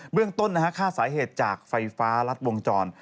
เรื่องต้นค่าสาเหตุจากไฟฟ้ารัดวงจร